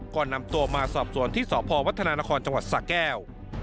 ก่อนนำตัวมาสอบสวนที่สพวัฒนานครจังหวัดสะแก้ว